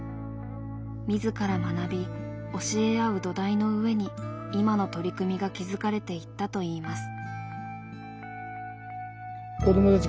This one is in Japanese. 自ら学び教え合う土台の上に今の取り組みが築かれていったといいます。